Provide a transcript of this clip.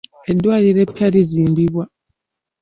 Eddwaliro eppya lizimbibwa.